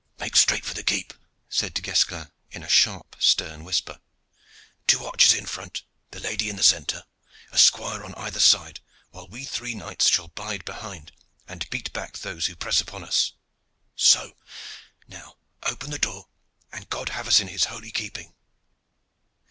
"Make straight for the keep!" said Du Guesclin, in a sharp, stern whisper. "The two archers in front, the lady in the centre, a squire on either side, while we three knights shall bide behind and beat back those who press upon us. So! Now open the door, and God have us in his holy keeping!"